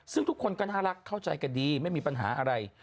ซึ่งทุกคนก็น่ารักเข้าใจกันดีไม่มีปัญหาอะไร